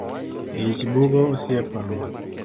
Ich bugo osiepa